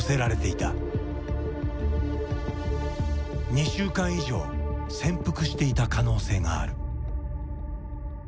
２週間以上潜伏していた可能性がある。